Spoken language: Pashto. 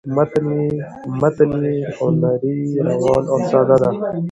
متن یې هنري ،روان او ساده دی